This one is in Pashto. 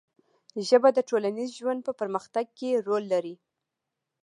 ژبه د ټولنیز ژوند په پرمختګ کې رول لري